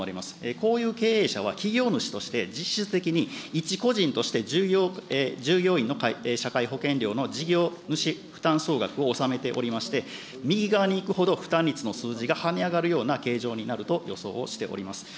こういう経営者は、企業主として実質的に一個人として従業員の社会保険料の事業主負担総額を納めておりまして、右側に行くほど、負担率の数字が跳ね上がるような形状になると予想をしております。